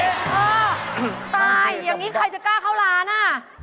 เออตายอย่างนี้ใครจะกล้าเข้าร้านอ่ะ